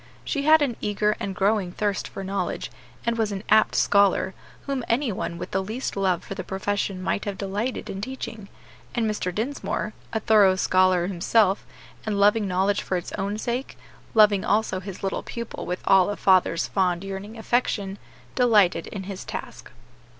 She had an eager and growing thirst for knowledge, and was an apt scholar, whom any one with the least love for the profession might have delighted in teaching; and Mr. Dinsmore, a thorough scholar himself, and loving knowledge for its own sake loving also his little pupil with all a father's fond, yearning affection delighted in his task.